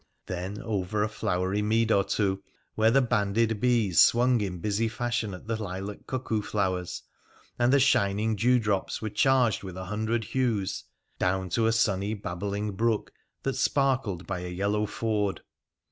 Then over a flowery mead or two, where the banded bees swung in busy fashion at the lilac cuckoo flowers, and the shining dewdrops were charged with a hundred hues, down to a sunny, babbling brook that sparkled by a yellow ford.